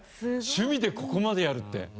趣味でここまでやるって。